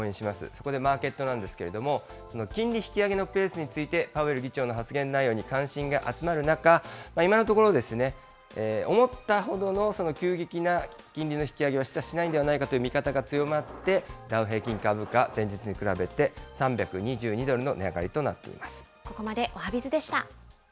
そこでマーケットなんですけれども、金利引き上げのペースについて、パウエル議長の発言に関心が高まる中、今のところ、思ったほどの急激な金利の引き上げは示唆しないんではないかという見方が強まって、ダウ平均株価、前日に比べて、３２２ドルの値上がりとなっています。